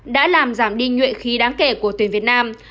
đã làm giảm đi nhuệ khí đáng kể của tuyển việt nam